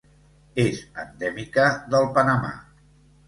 És endèmica del Panamà.